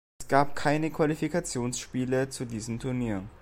Es gab keine Qualifikationsspiele zu diesem Turnier.